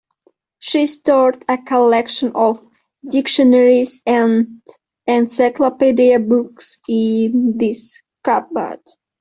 She stored a collection of dictionaries and encyclopedia books in this cupboard.